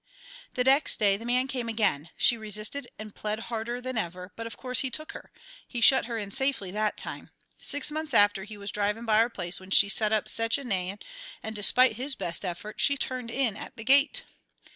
"The next day the man came again. She resisted and plead harder than ever, but of course he took her. He shut her in safely that time. Six months after he was driving by our place when she set up sech a neighing, and, despite his best efforts, she turned in at the gate.